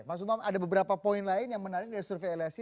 mas umam ada beberapa poin lain yang menarik dari survei lsi